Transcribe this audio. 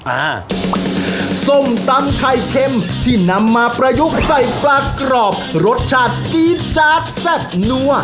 อ่าส้มตำไข่เค็มที่นำมาประยุกต์ใส่ปลากรอบรสชาติจี๊ดจาดแซ่บนัว